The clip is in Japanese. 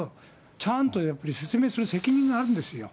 ちゃんとやっぱり説明する責任があるんですよ。